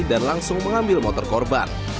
dan langsung mengambil motor korban